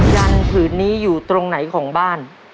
จันทร์ผืนนี้อยู่ตรงไหนของบ้าน